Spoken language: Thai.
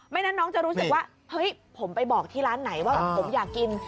นั้นน้องจะรู้สึกว่าเฮ้ยผมไปบอกที่ร้านไหนว่าผมอยากกิน